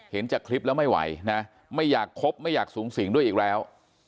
เห็นจากคลิปแล้วไม่ไหวนะไม่อยากคบไม่อยากสูงสิงด้วยอีกแล้ว